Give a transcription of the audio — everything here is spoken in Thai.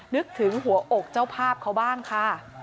นึกถึงหัวอกเจ้าภาพเขาบ้างค่ะ